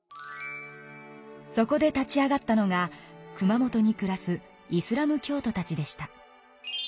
そこで立ち上がったのが熊本に暮らすイスラム教徒たちでした。